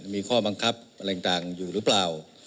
มีข้อบังคับอะไรต่างอยู่หรือเปล่า